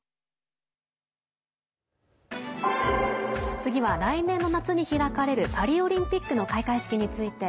次は来年の夏に開かれるパリオリンピックの開会式について。